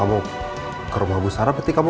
ya kalau kamu ke rumah bu sarah berarti kamu